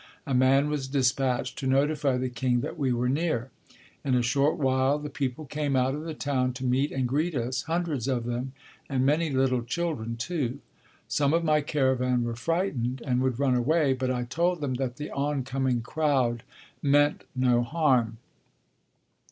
A man was dispatched to notify the king that we were near. In a short while the people came out of the town to meet and greet us, hundreds of them, and many little children, too. Some of my caravan were frightened and would run away, but I told them that the oncoming crowd meant no harm.